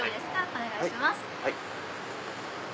お願いしやす！